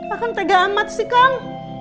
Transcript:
akan tega amat sih kang